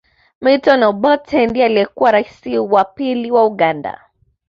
Milton Obote ndiye aliyekuwa raisi wa pili wa Uganda